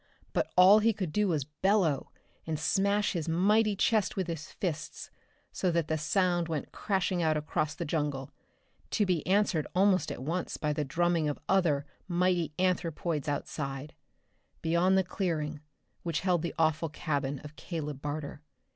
But all he could do was bellow, and smash his mighty chest with his fists, so that the sound went crashing out across the jungle to be answered almost at once by the drumming of other mighty anthropoids outside, beyond the clearing which held the awful cabin of Caleb Barter.